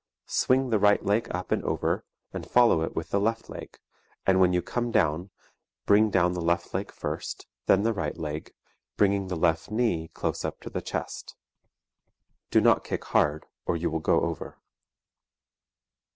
Swing the right leg up and over and follow it with the left leg, and when you come down bring down the left leg first, then the right leg, bringing the left knee close up to the chest. Do not kick hard or you will go over.